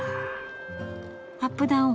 アップダウン